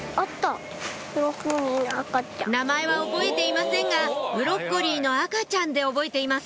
名前は覚えていませんが「ブロッコリーのあかちゃん」で覚えています